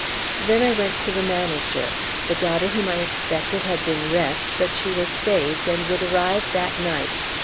Then I went to the manager. The daughter whom I expected had been wrecked, but she was saved, and would arrive that night.